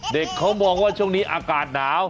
เด็กเขามองว่าช่วงนี้อากาศหนาว